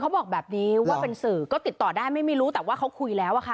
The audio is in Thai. บอกแบบนี้ว่าเป็นสื่อก็ติดต่อได้ไม่รู้แต่ว่าเขาคุยแล้วอะค่ะ